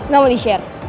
gak mau di share